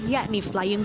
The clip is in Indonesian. yakni flying fox